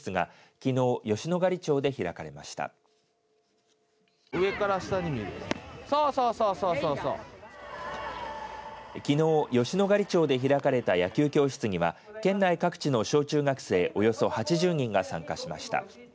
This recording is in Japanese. きのう、吉野ヶ里町で開かれた野球教室には県内各地の小中学生およそ８０人が参加しました。